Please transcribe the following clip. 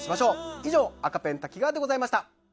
以上赤ペン瀧川でございました。